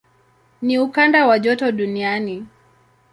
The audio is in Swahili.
Ni ukanda wa joto duniani.